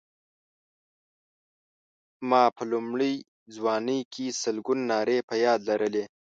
ما په لومړۍ ځوانۍ کې سلګونه نارې په یاد لرلې.